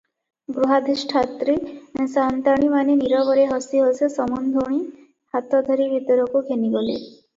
ଗୃହାଧିଷ୍ଠାତ୍ରୀ ସାଆନ୍ତାଣୀମାନେ ନୀରବରେ ହସି ହସି ସମୁନ୍ଧୁଣୀ ହାତଧରି ଭିତରକୁ ଘେନିଗଲେ ।